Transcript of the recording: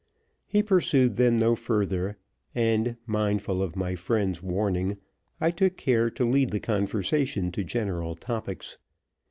He pursued them no further; and, mindful of my friend's warning, I took care to lead the conversation to general topics.